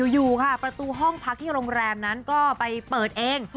อยู่ค่ะประตูห้องพักที่โรงแรมนั้นก็ไปเปิดเอง